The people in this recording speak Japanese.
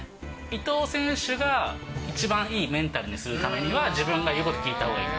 伊藤選手が一番いいメンタルにするためには、自分が言うことを聞いたほうがいい。